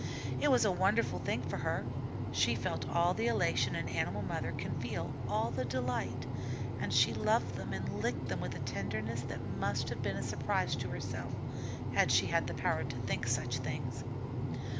It was a wonderful thing for her. She felt all the elation an animal mother can feel, all the delight, and she loved them and licked them with a tenderness that must have been a surprise to herself, had she had the power to think of such things.